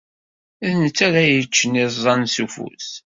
D netta ara yeččen iẓẓan s ufus.